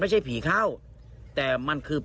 พี่ทีมข่าวของที่รักของ